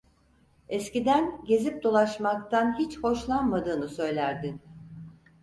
Eskiden gezip dolaşmaktan hiç hoşlanmadığını söylerdin…